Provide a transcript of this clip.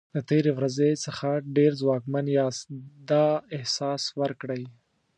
د تېرې ورځې څخه ډېر ځواکمن یاست دا احساس ورکړئ.